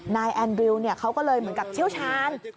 แอนดริวเขาก็เลยเหมือนกับเชี่ยวชาญ